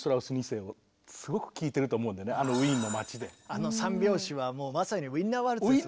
あの３拍子はもうまさに「ウィンナ・ワルツ」ですもんね。